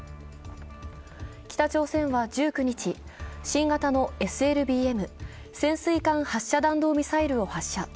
北朝鮮は１９日、新型のＳＬＢＭ＝潜水艦発射弾道ミサイルを発射。